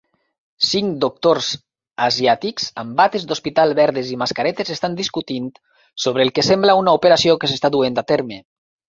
Cinc doctors asiàtics amb bates d'hospital verdes i mascaretes estan discutint sobre el que sembla una operació que s'està duent a terme